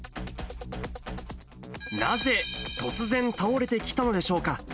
なぜ突然倒れてきたのでしょうか。